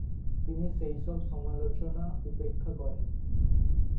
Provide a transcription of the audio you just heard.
তিনি সেইসব সমালোচনা উপেক্ষা করেন।